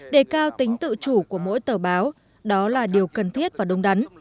đề cao tính tự chủ của mỗi tờ báo đó là điều cần thiết và đúng đắn